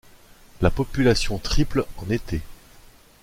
La population triple en été.